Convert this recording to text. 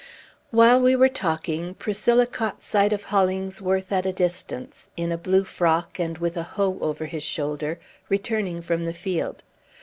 While we were talking, Priscilla caught sight of Hollingsworth at a distance, in a blue frock, and with a hoe over his shoulder, returning from the field.